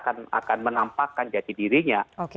akan menampakkan jati dirinya